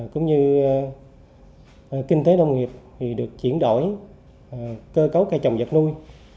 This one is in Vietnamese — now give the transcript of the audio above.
cũng như kinh tế nông nghiệp được chuyển đổi cơ cấu cây trồng vật nuôi